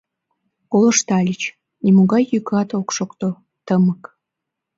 Колыштальыч: нимогай йӱкат ок шокто, тымык.